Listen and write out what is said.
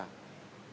và tôi nghĩ